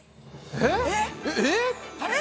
えっ！